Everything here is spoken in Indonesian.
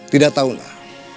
tidak tahu nak